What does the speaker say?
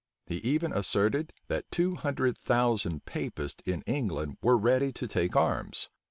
He even asserted, that two hundred thousand Papists in England were ready to take arms.